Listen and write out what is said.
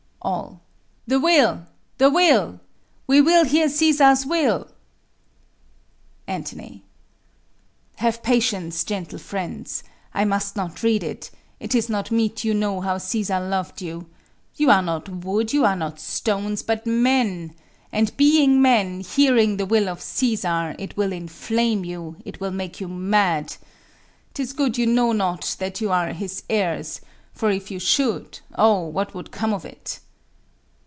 All. The will! the will! we will hear Cæsar's will. Ant. Have patience, gentle friends: I must not read it; It is not meet you know how Cæsar lov'd you. You are not wood, you are not stones, but men; And, being men, hearing the will of Cæsar, It will inflame you, it will make you mad: 'Tis good you know not that you are his heirs; For if you should, oh, what would come of it!